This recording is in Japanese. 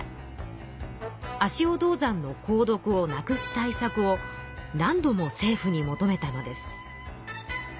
足尾銅山の鉱毒をなくす対策を何度も政府に求めたのです。